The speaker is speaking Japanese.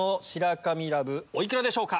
お幾らでしょうか？